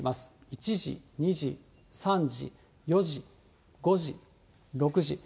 １時、２時、３時、４時、５時、６時。